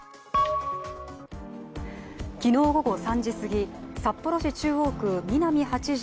昨日午後３時すぎ、札幌市中央区南８条